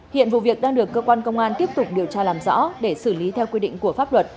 hiện vụ việc đang được cơ quan công an tiếp tục điều tra làm rõ để xử lý theo quy định của pháp luật